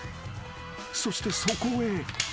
［そしてそこへ］